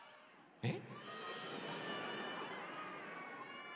えっ。